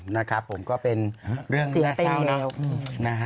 นะครับก็เป็นเรื่องนะเจ้านะ